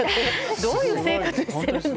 どういう生活してるのか。